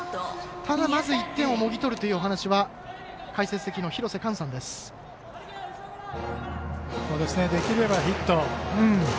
ただ、まず１点をもぎ取るというお話はできればヒット。